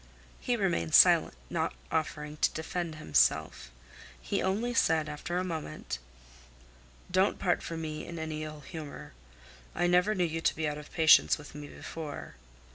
He remained silent, not offering to defend himself. He only said, after a moment: "Don't part from me in any ill humor. I never knew you to be out of patience with me before."